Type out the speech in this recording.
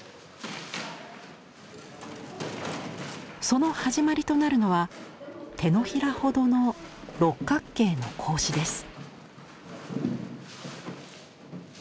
その始まりとなるのは手のひらほどの六角形の格子です。